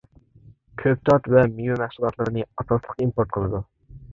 كۆكتات ۋە مېۋە مەھسۇلاتلىرىنى ئاساسلىق ئىمپورت قىلىدۇ.